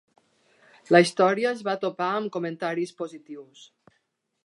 La història es va topar amb comentaris positius.